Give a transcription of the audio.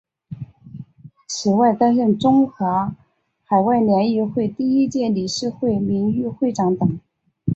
此外担任中华海外联谊会第一届理事会名誉会长等。